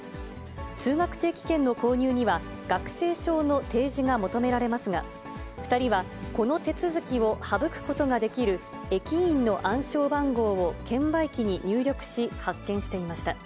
通学定期券の購入には学生証の提示が求められますが、２人はこの手続きを省くことができる駅員の暗証番号を券売機に入力し発券していました。